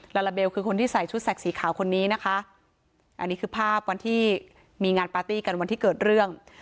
ลาลาเบลคือคนที่ใส่ชุดแสกสีขาวคนนี้นะคะอันนี้คือภาพวันที่มีงานปาร์ตี้กันวันที่เกิดเรื่อง